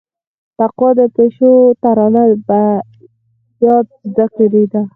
تقوا د پيشو ترانه په ياد زده کړيده.